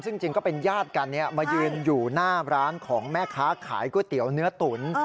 ซึ่งจริงก็เป็นญาติกันมายืนอยู่หน้าร้านของแม่ค้าขายก๋วยเตี๋ยวเนื้อตุ๋น